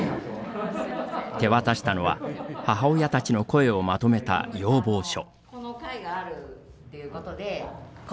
手渡したのは母親たちの声をまとめた要望書。